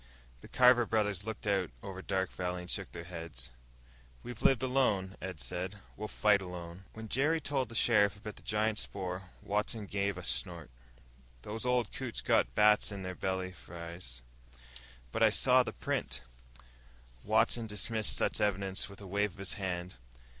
The Carver brothers looked out over Dark Valley and shook their heads. "We've lived alone," Ed said. "We'll fight alone." When Jerry told the sheriff about the giant spoor, Watson gave a derisive snort. "Those old coots got bats in their belfries!" "But I saw the print." Watson dismissed such evidence with a wave of his hand.